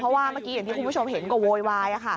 เพราะว่าเมื่อกี้อย่างที่คุณผู้ชมเห็นก็โวยวาย